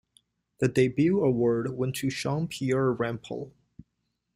The debut award went to Jean-Pierre Rampal.